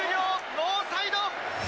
ノーサイド。